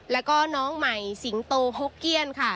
แล้วก็น้องใหม่สิงโตฮกเกี้ยนค่ะ